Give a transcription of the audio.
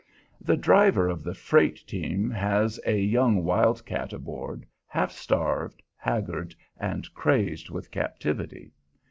The driver of the freight team has a young wildcat aboard, half starved, haggard, and crazed with captivity.